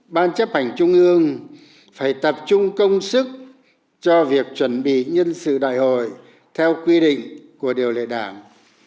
ban chấp hành trung ương phải tập trung công sức cho việc chuẩn bị nhân sự đại hội theo quy định của điều lệ đảng